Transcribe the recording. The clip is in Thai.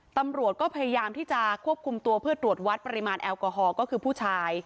ตำรวจก็พยายามที่จะควบคุมตัวเพื่อตรวจวัดปริมาณแอลกอฮอลก็คือผู้ชาย